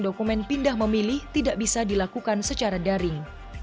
dokumen pindah memilih tidak bisa dilakukan secara daring